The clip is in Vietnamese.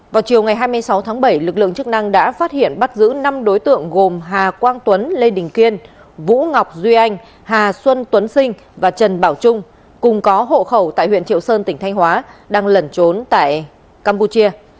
vào chiều ngày hai mươi sáu tháng bảy lực lượng chức năng đã phát hiện bắt giữ năm đối tượng gồm hà quang tuấn lê đình kiên vũ ngọc duy anh hà xuân tuấn sinh và trần bảo trung cùng có hộ khẩu tại huyện triệu sơn tỉnh thanh hóa đang lẩn trốn tại campuchia